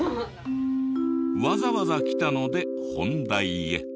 わざわざ来たので本題へ。